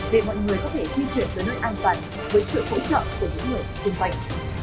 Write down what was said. để mọi người có thể di chuyển tới nơi an toàn với sự hỗ trợ của những người xung quanh